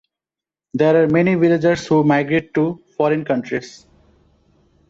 There are many villagers who migrate to foreign countries.